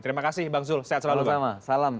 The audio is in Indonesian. terima kasih bang zul sehat selalu sama salam